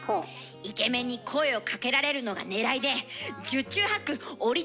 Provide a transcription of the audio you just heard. イケメンに声をかけられるのがねらいで十中八九折り畳み傘を隠し持ってます！